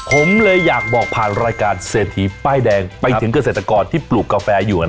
ผมเลยอยากบอกผ่านรายการเศรษฐีป้ายแดงไปถึงเกษตรกรที่ปลูกกาแฟอยู่